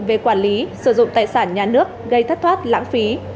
về quản lý sử dụng tài sản nhà nước gây thất thoát lãng phí